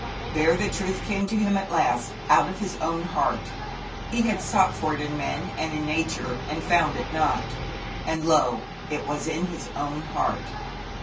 There the truth came to him at last out of his own heart. He had sought for it in men and in Nature, and found it not, and, lo! it was in his own heart.